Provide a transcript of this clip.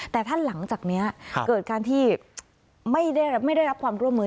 แต่ถ้าหลังจากนี้เกิดการที่ไม่ได้รับความร่วมมือ